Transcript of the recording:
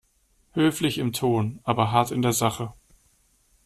Höflich im Ton, aber hart in der Sache.